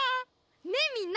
ねえみんな！